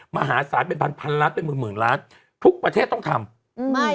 มหาศาลเป็นพันพันล้านเป็นหมื่นหมื่นล้านทุกประเทศต้องทำไม่